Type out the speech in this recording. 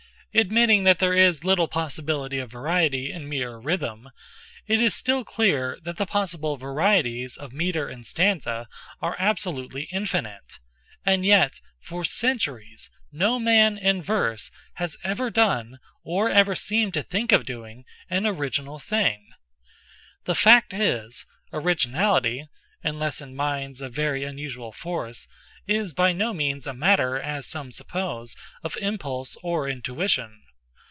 Admitting that there is little possibility of variety in mere rhythm, it is still clear that the possible varieties of meter and stanza are absolutely infinite—and yet, for centuries, no man, in verse, has ever done, or ever seemed to think of doing, an original thing. The fact is, originality (unless in minds of very unusual force) is by no means a matter, as some suppose, of impulse or intuition.